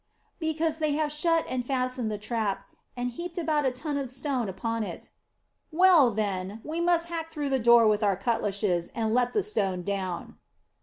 "Because they have shut and fastened the trap, and heaped about a ton of stone upon it." "Well, then, we must hack through the door with our cutlashes, and let the stone down."